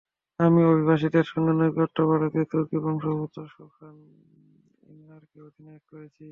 আমি অভিবাসীদের সঙ্গে নৈকট্য বাড়াতে তুর্কি বংশোদ্ভূত গোখান ইনলারকে অধিনায়ক করেছি।